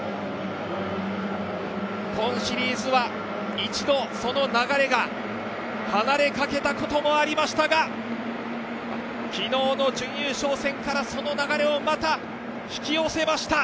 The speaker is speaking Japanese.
今シリーズは一度その流れが離れかけたこともありましたが昨日の準優勝戦からその流れをまた引き寄せました。